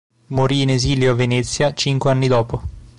Morì in esilio a Venezia cinque anni dopo.